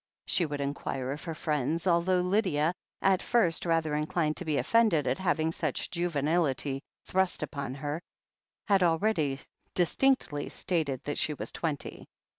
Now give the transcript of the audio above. she would inquire of her friends, although Lydia, at first rather inclined to be offended at having such juvenility thrust upon her, had already distinctly stated that she was twenty.